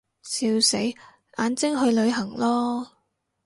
笑死，眼睛去旅行囉